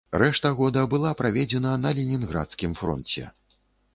Рэшта года была праведзена на ленінградскім фронце.